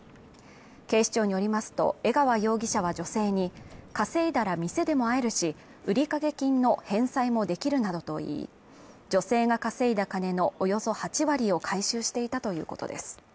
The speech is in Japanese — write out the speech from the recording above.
警視庁によりますと、江川容疑者は女性に稼いだら店でも会えるし、売掛金の返済もできるなどと言い、女性が稼いだ金のおよそ８割を回収していたということです。